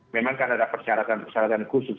memang kan ada persyaratan persyaratan khusus